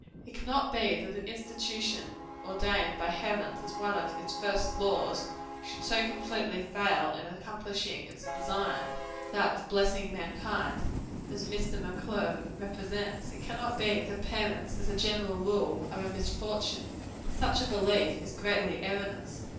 It cannot be that an institution ordained by Heaven as one of its first laws, should so completely fail in accomplishing its design that of blessing mankind as Mr. M'Clure represents. It cannot be that parents, as a general rule, are a misfortune. Such a belief is greatly erroneous.